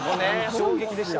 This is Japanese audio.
衝撃でした。